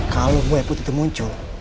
kalau buaya putih itu muncul